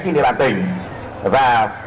trên địa bàn tỉnh và